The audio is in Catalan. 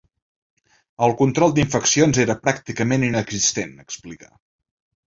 “El control d’infeccions era pràcticament inexistent”, explica.